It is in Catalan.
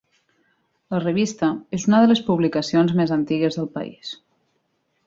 La revista és una de les publicacions més antigues del país.